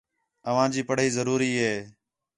اوانجی پڑھائی ضروری ہے